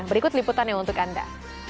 berikut liputannya untuk anda